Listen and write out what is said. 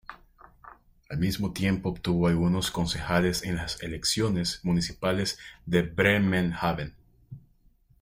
Al mismo tiempo, obtuvo algunos concejales en las elecciones municipales de Bremerhaven.